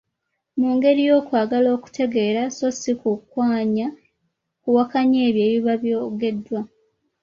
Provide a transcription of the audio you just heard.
Mu ngeri y’okwagala okutegeera so si kuwakanya ebyo ebiba byogeddwa.